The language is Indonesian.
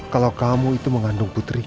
kalau kamu itu mengandung putri